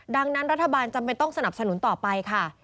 ดังนั้นรัฐบาลจำเป็นต้องสนับสนุนต่อไปค่ะ